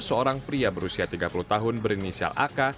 seorang pria berusia tiga puluh tahun berinisial ak